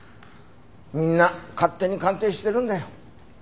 みんな勝手に鑑定してるんだよ。